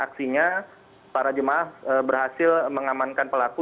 aksinya para jemaah berhasil mengamankan pelaku